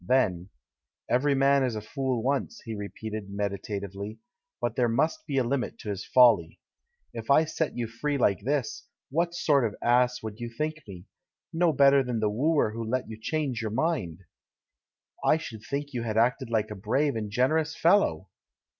Then ■ "Everj^ man is a fool once," he repeated medi tatively, "but there must be a limit to his foUv. If I set you free hke this, what sort of ass would 176 THE MAN WHO UNDERSTOOD WOMEN you think me? No better than the wooer who let you change your mind!" "I should think you had acted like a brave and generous fellow!"